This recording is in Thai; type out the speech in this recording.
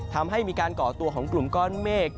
ทำให้มีการก่อตัวของกลุ่มก้อนเมฆ